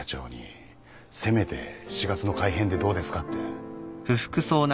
せめて４月の改編でどうですかって。